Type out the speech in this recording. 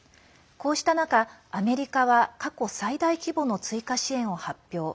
こうした中、アメリカは過去最大規模の追加支援を発表。